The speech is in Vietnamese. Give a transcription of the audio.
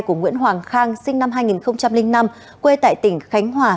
của nguyễn hoàng khang sinh năm hai nghìn năm quê tại tỉnh khánh hòa